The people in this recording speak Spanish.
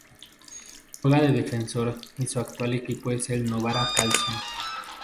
Juega de defensor y su actual equipo es el Novara Calcio.